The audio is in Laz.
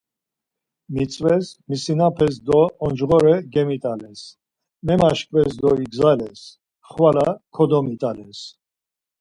Mitzves, misinapes do oncğore gemit̆ales, memaşkves do igzales, xvala kodomit̆ales.